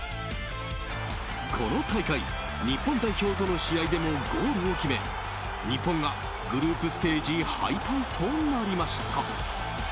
この大会日本代表との試合でもゴールを決め日本がグループステージ敗退となりました。